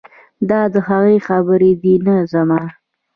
دا د هغه خبرې دي نه زما.